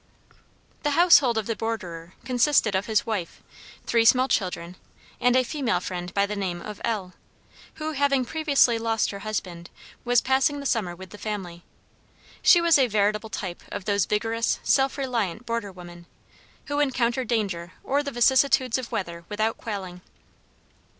The household of the borderer consisted of his wife, three small children, and a female friend by the name of L , who, having previously lost her husband, was passing the summer with the family. She was a veritable type of those vigorous, self reliant border women, who encounter danger or the vicissitudes of weather without quailing.